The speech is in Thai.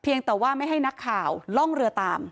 ยังแต่ว่าไม่ให้นักข่าวล่องเรือตาม